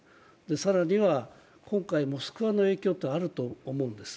更には、今回「モスクワ」の影響ってあると思うんです。